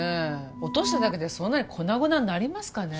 落としただけでそんなに粉々になりますかね